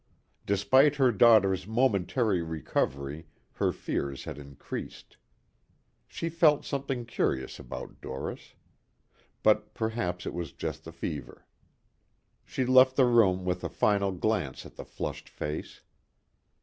Despite her daughter's momentary recovery her fears had increased. She felt something curious about Doris. But perhaps it was just the fever. She left the room with a final glance at the flushed face.